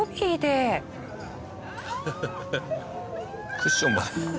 クッションだ。